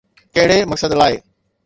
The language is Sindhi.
ڪهڙي مقصد لاءِ؟